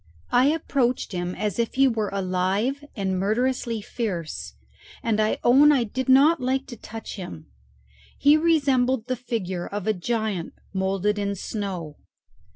I approached him as if he were alive and murderously fierce, and I own I did not like to touch him. He resembled the figure of a giant moulded in snow.